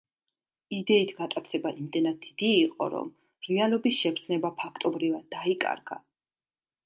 იდეით გატაცება იმდენად დიდი იყო, რომ რეალობის შეგრძნება ფაქტობრივად დაიკარგა.